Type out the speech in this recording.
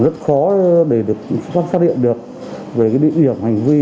rất khó để được phát hiện được về địa điểm hành vi